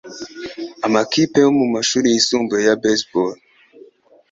Amakipe yo mu mashuri yisumbuye ya baseball